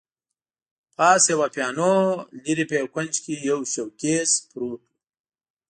پاس یوه پیانو، لیري په یوه کونج کي یو شوکېز پروت وو.